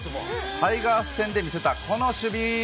タイガース戦で見せたこの守備。